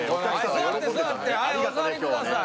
座って座ってはいお座り下さい。